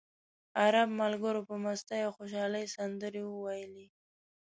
عرب ملګرو په مستۍ او خوشالۍ سندرې وویلې.